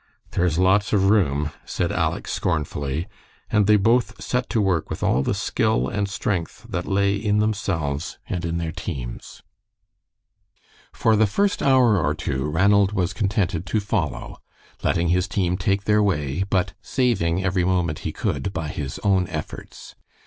"There's lots of room," said Aleck, scornfully, and they both set to work with all the skill and strength that lay in themselves and in their teams. For the first hour or two Ranald was contented to follow, letting his team take their way, but saving every moment he could by his own efforts.